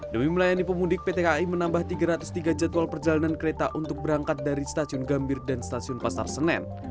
demi melayani pemudik pt kai menambah tiga ratus tiga jadwal perjalanan kereta untuk berangkat dari stasiun gambir dan stasiun pasar senen